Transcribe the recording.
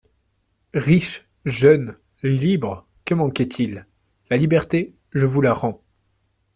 Riche, jeune, libre, que manquait-il ? La liberté, je vous la rends.